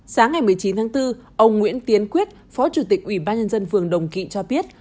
sáng ngày một mươi chín tháng bốn ông nguyễn tiến quyết phó chủ tịch ủy ban nhân dân phường đồng kỵ cho biết